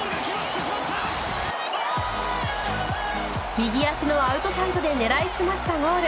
右足のアウトサイドで狙いすましたゴール。